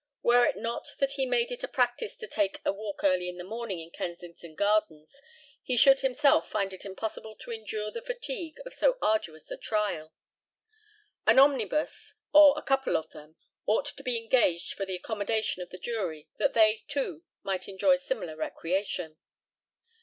Were it not that he made it a practice to take a walk early in the morning in Kensington gardens, he should himself find it impossible to endure the fatigue of so arduous a trial. An omnibus, or a couple of them, ought to be engaged for the accommodation of the jury that they, too, might enjoy similar recreation.